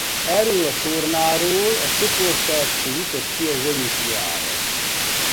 Erről a tornáról a csoportelső jutott ki az olimpiára.